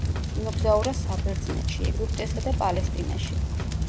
იმოგზაურა საბერძნეთში, ეგვიპტესა და პალესტინაში.